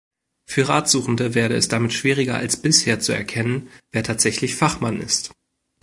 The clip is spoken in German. Für Ratsuchende werde es damit schwieriger als bisher zu erkennen, wer tatsächlich Fachmann ist.